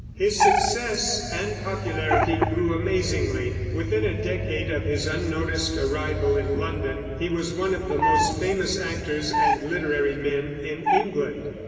His success and popularity grew amazingly. Within a decade of his unnoticed arrival in London he was one of the most famous actors and literary men in England.